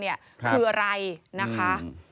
คืออะไรนะคะ